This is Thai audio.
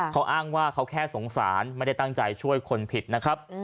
เขาอ้างว่าเขาแค่สงสารไม่ได้ตั้งใจช่วยคนผิดนะครับ